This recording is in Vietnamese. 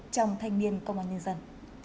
trong thanh niên công an nhân dân